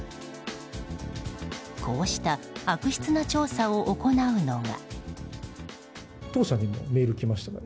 こうした悪質な調査を行うのが。